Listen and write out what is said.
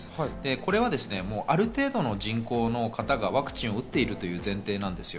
これはある程度の人口の方がワクチンを打っているという前提なんです。